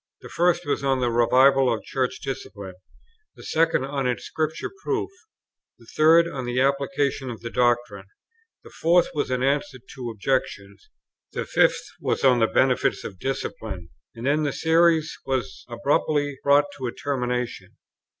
The first was on the revival of Church Discipline; the second, on its Scripture proof; the third, on the application of the doctrine; the fourth was an answer to objections; the fifth was on the benefits of discipline. And then the series was abruptly brought to a termination.